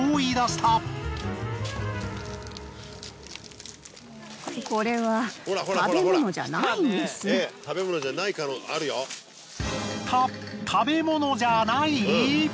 た食べ物じゃない！？